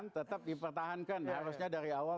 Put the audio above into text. tetap dipertahankan harusnya dari awal